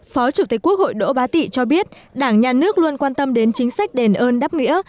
phó chủ tịch quốc hội đỗ bá tị cho biết đảng nhà nước luôn quan tâm đến chính sách đền ơn đáp nghĩa